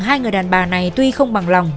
hai người đàn bà này tuy không bằng lòng